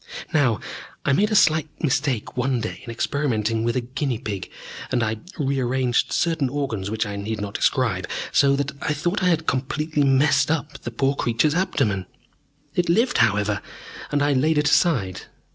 "Now, I made a slight mistake one day in experimenting with a guinea pig, and I re arranged certain organs which I need not describe so that I thought I had completely messed up the poor creature's abdomen. It lived, however, and I laid it aside.